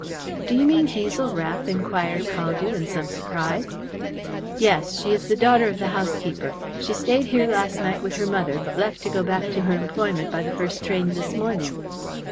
"Do you mean Hazel Rath?" inquired Caldew, in some surprise. "Yes. She is the daughter of the housekeeper. She stayed here last night with her mother, but left to go back to her employment by the first train this morning."